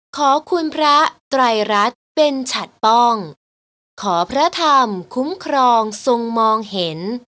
ขอคุณพระไตรรัฐเป็นฉัดป้องและขอพระธรรมคุ้มครองทรงมองเห็น